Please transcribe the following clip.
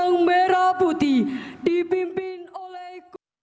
sang merah putih dipimpin oleh